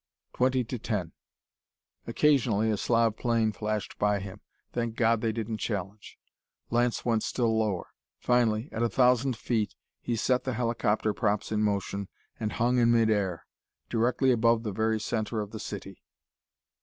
Twenty to ten. Occasionally a Slav plane flashed by him. Thank God, they didn't challenge! Lance went still lower. Finally, at a thousand feet, he set the helicopter props in motion and hung in mid air directly above the very center of the city.